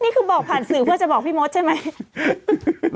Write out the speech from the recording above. นี่คือบอกผ่านสื่อเพื่อจะบอกพี่มดใช่ไหม